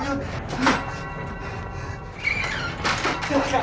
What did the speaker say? bukan pak saya komar pak